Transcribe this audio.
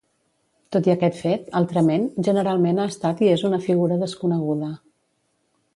Tot i aquest fet, altrament, generalment ha estat i és una figura desconeguda.